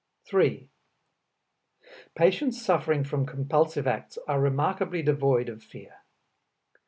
3. Patients suffering from compulsive acts are remarkably devoid of fear.